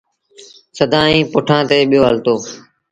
سدائيٚݩ پوٺآن تي پيو هلتو۔